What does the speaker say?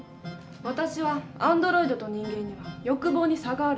私はアンドロイドと人間では欲望に差があると思う。